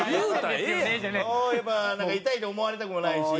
やっぱなんか痛いと思われたくもないし。